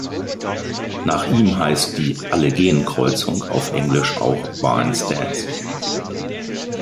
Nach ihm heißt die Alle-gehen-Kreuzung auf Englisch auch "Barnes Dance".